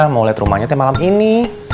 mau liat rumahnya teh malam ini